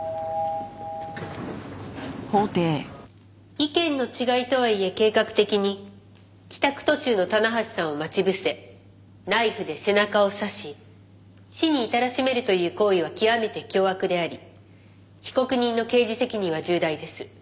意見の違いとはいえ計画的に帰宅途中の棚橋さんを待ち伏せナイフで背中を刺し死に至らしめるという行為は極めて凶悪であり被告人の刑事責任は重大です。